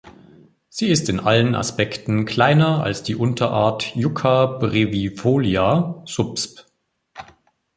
Sie ist in allen Aspekten kleiner als die Unterart "Yucca brevifolia" subsp.